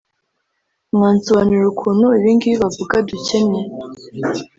mwansobanurira ukuntu ibingibi bavuga dukennye